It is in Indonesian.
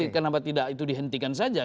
kenapa tidak itu dihentikan saja